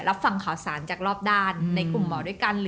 รับฟังข่าวสารจากรอบด้านในกลุ่มหมอด้วยกัน